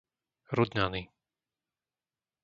Rudňany